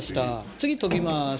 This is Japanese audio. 次、研ぎます。